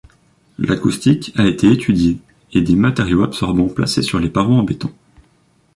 L'acoustique a été étudiée et des matériaux absorbants placés sur les parois en béton.